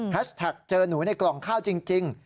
แท็กเจอหนูในกล่องข้าวจริง